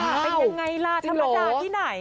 เป็นยังไงล่ะธรรมดาที่ไหน